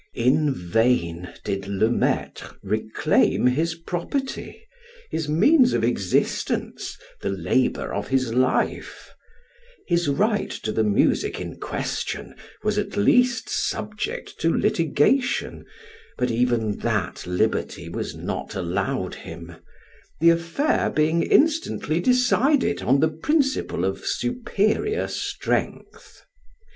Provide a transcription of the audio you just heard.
In vain did Le Maitre reclaim his property, his means of existence, the labor of his life; his right to the music in question was at least subject to litigation, but even that liberty was not allowed him, the affair being instantly decided on the principal of superior strength.